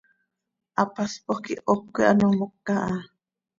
Hapaspoj quih hocö quih ano moca ha.